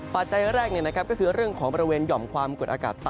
ปัจจัยแรกก็คือเรื่องของบริเวณหย่อมความกดอากาศต่ำ